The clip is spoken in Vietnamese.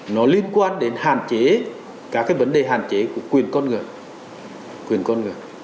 nó liên quan đến hạn chế các vấn đề hạn chế của quyền con người